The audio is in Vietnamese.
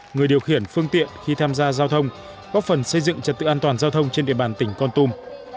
người điều khiển phương tiện khi tham gia giao thông góp phần xây dựng trật tự an toàn giao thông trên địa bàn tỉnh con tum